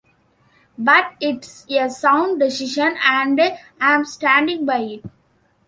But it's a sound decision, and I'm standing by it.